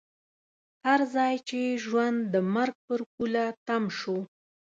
هر ځای چې ژوند د مرګ پر پوله تم شو.